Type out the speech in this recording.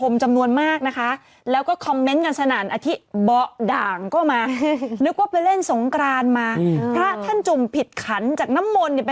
มิ้นว่าซักออกแต่ใช่ซักเท่าไหร่ก่อนสักเท่าไหร่แข็งมากน่ะ